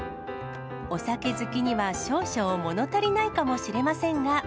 お酒好きには少々もの足りないかもしれませんが。